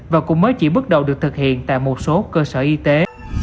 và cũng mới chỉ bước đầu được thực hiện tại một số cơ sở y tế